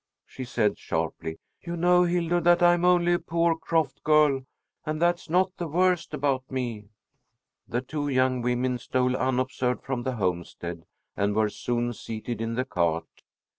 she said sharply. "You know, Hildur, that I am only a poor croft girl, and that's not the worst about me!" The two young women stole unobserved from the homestead and were soon seated in the cart.